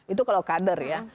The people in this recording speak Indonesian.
itu kalau kader ya